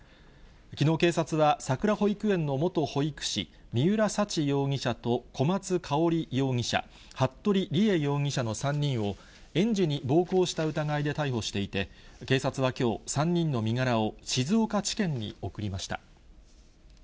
きのう警察は、さくら保育園の元保育士、三浦沙知容疑者と小松香織容疑者、服部理江容疑者の３人を、園児に暴行した疑いで逮捕していて、警察はきょう、３人の身柄を静岡地検に送りました。